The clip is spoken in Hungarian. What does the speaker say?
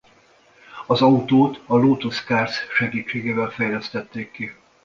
Az autót a Lotus Cars segítségével fejlesztették ki.